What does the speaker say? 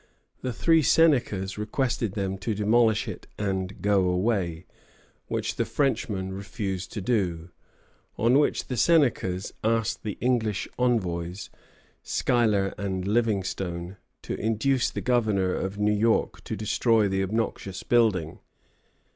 The three Senecas requested them to demolish it and go away, which the Frenchmen refused to do; on which the Senecas asked the English envoys, Schuyler and Livingston, to induce the Governor of New York to destroy the obnoxious building.